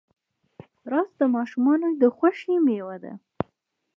رس د ماشومانو د خوښۍ میوه ده